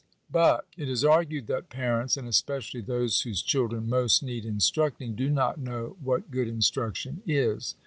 But it is argued that parents, and especially those whose children most need instructing, do not know what good instruction is.